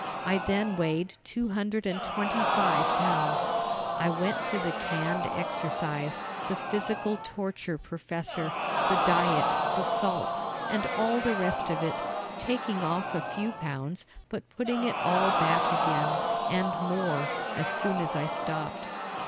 I then weighed two hundred and twenty five pounds. I went to the canned exercise, the physical torture professor, the diet, the salts, and all the rest of it, taking off a few pounds but putting it all back again and more as soon as I stopped.